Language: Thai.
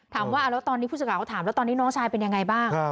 ถามว่าตอนนี้ผู้จักรฐานเขาถามว่าตอนนี้น้องชายเป็นยังไงบ้าง